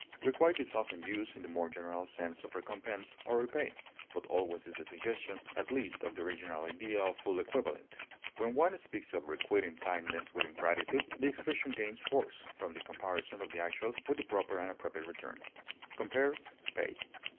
Requite is often used in the more general sense of recompense or repay, but always with the suggestion, at least, of the original idea of full equivalent; when one speaks of requiting kindness with ingratitude, the expression gains force from the comparison of the actual with the proper and appropriate return. Compare PAY.